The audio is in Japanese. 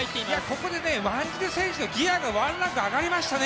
ここでワンジル選手のギアがワンランク上がりましたね。